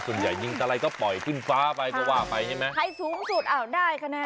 ส่วนใหญ่ยังตะไลก็ปล่อยขึ้นฟ้าไปกว่าไปไงใครสูงสุดอ่าวได้คะแนน